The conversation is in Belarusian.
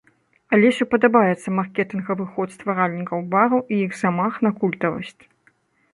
Алесю падабаецца маркетынгавы ход стваральнікаў бару і іх замах на культавасць.